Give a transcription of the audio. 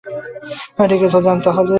ঠিক আছে, যান তাহলে।